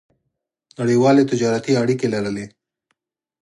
نړیوالې تجارتي اړیکې لرلې.